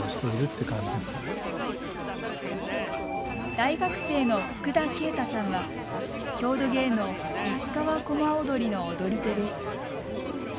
大学生の福田京太さんは郷土芸能、石川駒踊りの踊り手です。